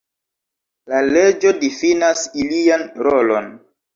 La leĝo difinas ilian rolon.